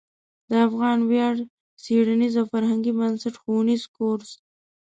د افغان ویاړ څیړنیز او فرهنګي بنسټ ښوونیز کورس